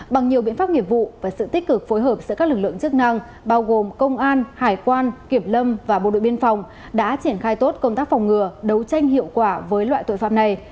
bằng nhiều biện pháp nghiệp vụ và sự tích cực phối hợp giữa các lực lượng chức năng bao gồm công an hải quan kiểm lâm và bộ đội biên phòng đã triển khai tốt công tác phòng ngừa đấu tranh hiệu quả với loại tội phạm này